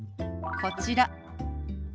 こちら。